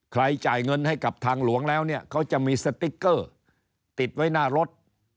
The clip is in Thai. จ่ายเงินให้กับทางหลวงแล้วเนี่ยเขาจะมีสติ๊กเกอร์ติดไว้หน้ารถ